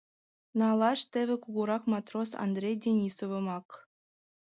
Налаш теве кугурак матрос Андрей Денисовымак.